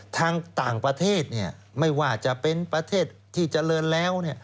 ทางต่างประเทศไม่ว่าจะเป็นประเทศที่เจริญแล้ว